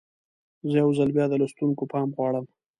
زه یو ځل بیا د لوستونکو پام غواړم.